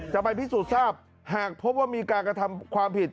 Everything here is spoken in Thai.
จะไปพิสูจน์ทราบหากพบว่ามีการกระทำความผิด